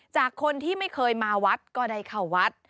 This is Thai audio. จากคนที่ไม่เคยมาวัดก็ได้เข้าวัด